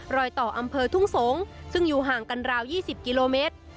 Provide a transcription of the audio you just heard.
รอยต่ออำเภอทุ่งสงศ์ซึ่งอยู่ห่างกันราว๒๐กิโลเมตร